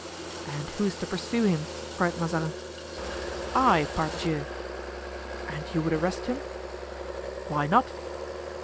"And who is to pursue him?" cried Mazarin. "I, pardieu!" "And you would arrest him?" "Why not?"